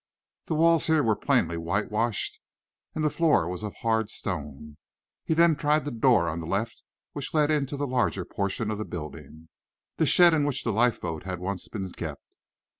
The walls here were plainly whitewashed, and the floor was of hard stone. He then tried the door on the left, which led into the larger portion of the building the shed in which the lifeboat had once been kept.